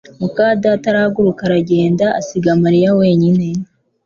muka data arahaguruka arigendera, asiga Mariya wenyine